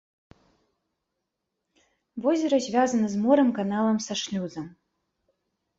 Возера звязана з морам каналам са шлюзам.